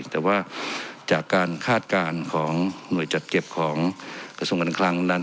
แต่ว่าจากการคาดการณ์ของหน่วยจัดเก็บของกระทรวงการคลังนั้น